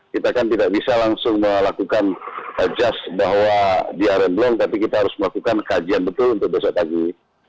kita kan tidak bisa langsung melakukan adjust bahwa dia remblong tapi kita harus melakukan kajian betul untuk besok pagi